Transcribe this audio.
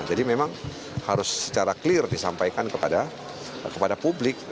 jadi memang harus secara clear disampaikan kepada publik tidak boleh ada yang ditutupi